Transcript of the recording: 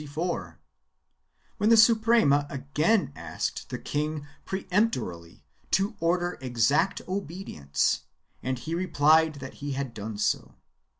Then the Suprema again asked the king peremptorily to order exact obedience and he replied that he had done so.